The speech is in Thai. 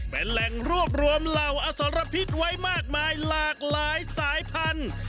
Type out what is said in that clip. เป็นแหล่งรวบรวมเหล่าอสรพิษไว้มากมายหลากหลายสายพันธุ์